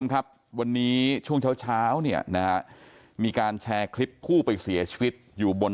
ครับวันนี้ช่วงเช้าเนี่ยนะฮะมีการแชร์คลิปผู้ไปเสียชีวิตอยู่บน